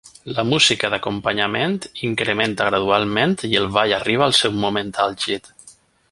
La música d'acompanyament incrementa gradualment i el ball arriba al seu moment àlgid.